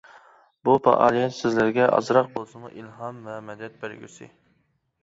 بۇ پائالىيەت سىزلەرگە ئازراق بولسىمۇ ئىلھام ۋە مەدەت بەرگۈسى.